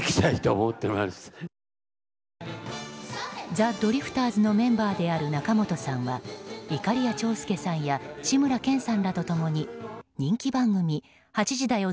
ザ・ドリフターズのメンバーである仲本さんはいかりや長介さんや志村けんさんらと共に人気番組「８時だョ！